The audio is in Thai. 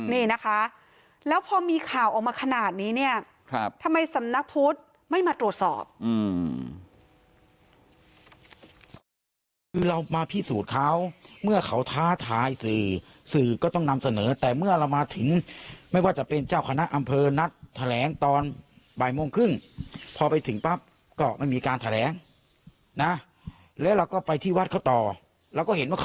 นี่นะคะแล้วพอมีข่าวออกมาขนาดนี้เนี่ยทำไมสำนักพุทธไม่มาตรวจสอบ